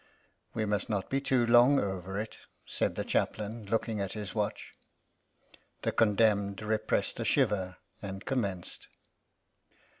"We must not be too long over it," said the Chaplain, looking at his watch. The condemned repressed a shiver and commenced.